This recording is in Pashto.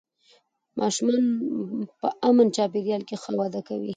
ماشومان په امن چاپېریال کې ښه وده کوي